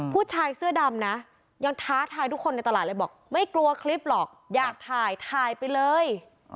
ผู้ชายเสื้อดำนะยังท้าทายทุกคนในตลาดเลยบอกไม่กลัวคลิปหรอกอยากถ่ายถ่ายไปเลย